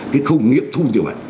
cái không nghiệp thu như vậy